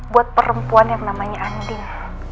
buat perempuan yang namanya andi